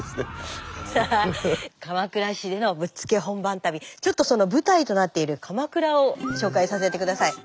さあ鎌倉市でのぶっつけ本番旅ちょっとその舞台となっている鎌倉を紹介させて下さい。